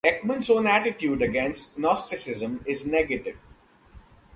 Ekman's own attitude against Gnosticism is negative.